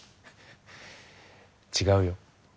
違うよ。